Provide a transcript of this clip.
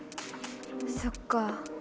そっか。